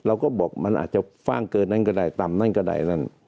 เราก็บอกมันอาจจะฟ่างเกินนั้นก็ได้ต่ำนั่นก็ได้นั่น